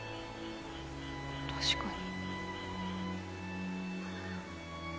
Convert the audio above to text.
確かに。